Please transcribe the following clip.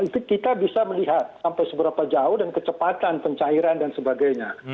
itu kita bisa melihat sampai seberapa jauh dan kecepatan pencairan dan sebagainya